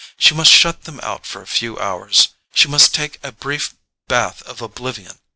She must shut them out for a few hours; she must take a brief bath of oblivion.